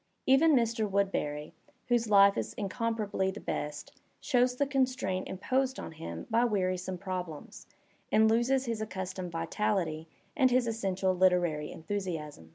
Even Mr. Woodbeny, whose life is incomparably the best, shows the constraint imposed on him by wearisome problems, and loses his accustomed vitality and his essential literary enthusiasm.